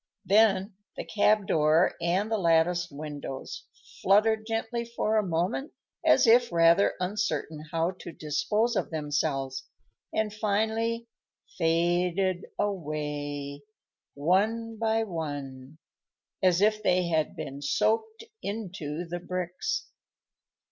Then the cab door and the latticed windows fluttered gently for a moment, as if rather uncertain how to dispose of themselves, and finally faded away, one by one, as if they had been soaked into the bricks.